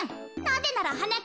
なぜならはな